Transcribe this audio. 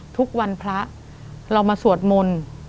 ทุกวันพระเรามาสวดมนต์